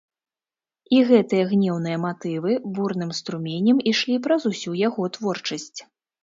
І гэтыя гнеўныя матывы бурным струменем ішлі праз усю яго творчасць.